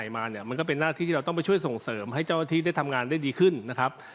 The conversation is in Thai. มาเนี่ยมันก็เป็นหน้าที่ที่เราต้องไปช่วยส่งเสริมให้เจ้าหน้าที่ได้ทำงานได้ดีขึ้นนะครับ